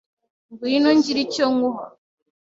ngwino ngire icyo nkuha